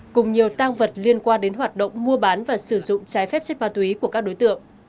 cùng nhiều tăng vật liên quan đến hoạt động mua bán và sử dụng trái phép chất ma túy của các đối tượng